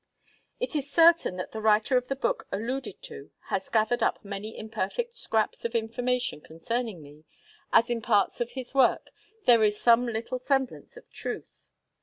It is certain that the writer of the book alluded to has gathered up many imperfect scraps of information concerning me, as in parts of his work there is some little semblance of truth.